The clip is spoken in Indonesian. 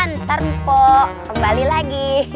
ntar mpo kembali lagi